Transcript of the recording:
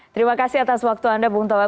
terima kasih atas waktu anda bung toas